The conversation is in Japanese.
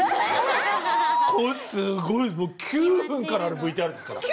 これすごいもう９分からあるＶＴＲですから。